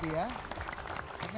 terima kasih pak sepi ya